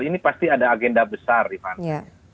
ini pasti ada agenda besar rifana